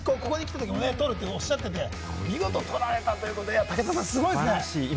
ここに来てとるとおっしゃっていて見事、取られたということで、すごいですね。